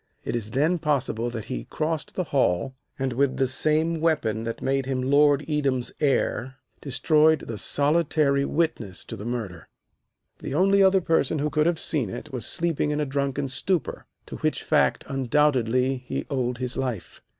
It is then possible that he crossed the hall, and with the same weapon which made him Lord Edam's heir destroyed the solitary witness to the murder. The only other person who could have seen it was sleeping in a drunken stupor, to which fact undoubtedly he owed his life.